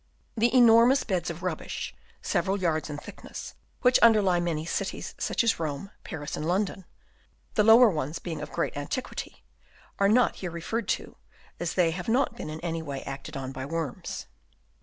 The enormous beds of rubbish, several yards in thickness, which underlie many cities, such as Rome, Paris, and London, the lower ones being of great antiquity, are not here referred to, as they have not been in any way acted on by worms.